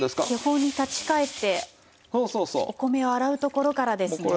基本に立ち返ってお米を洗うところからですね。